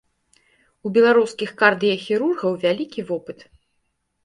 У беларускіх кардыяхірургаў вялікі вопыт.